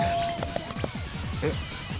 えっ？